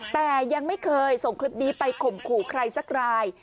แต่ยังไม่เคยส่งคลิปนี้ไปข่มขู่ใครสักราย